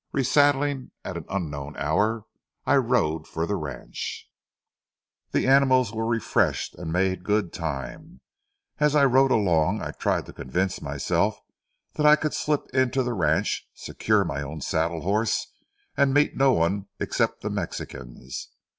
Resaddling at an unknown hour, I rode for the ranch. The animals were refreshed and made good time. As I rode along I tried to convince myself that I could slip into the ranch, secure my own saddle horse, and meet no one except the Mexicans.